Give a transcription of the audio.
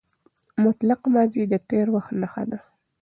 مطلقه ماضي د تېر وخت نخښه ده.